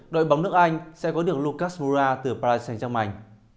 đội bóng nước anh sẽ có được lucas moura từ paris saint germain